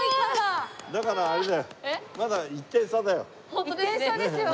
ホントですね。